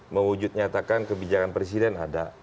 mewujud nyatakan kebijakan presiden ada